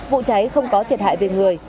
vụ cháy không có thiệt hại về người